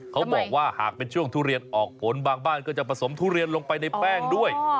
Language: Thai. เขาบอกว่าหากเป็นช่วงทุเรียนออกผลบางบ้านก็จะผสมทุเรียนลงไปในแป้งด้วย